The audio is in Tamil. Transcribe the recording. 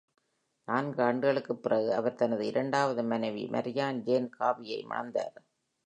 நான்கு ஆண்டுகளுக்குப் பிறகு அவர் தனது இரண்டாவது மனைவி மரியான் ஜேன் ஹார்வியை மணந்தார்.